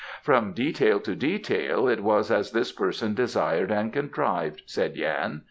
"From detail to detail it was as this person desired and contrived," said Yan.